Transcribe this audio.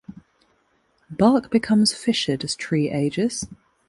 Bark becomes fissured as tree ages.